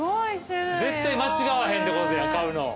絶対間違わへんってことや買うの。